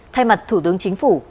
thay mặt thủ tướng chính phủ